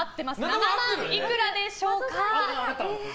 ７万いくらでしょうか。